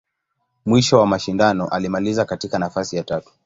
Mwisho wa mashindano, alimaliza katika nafasi ya tatu.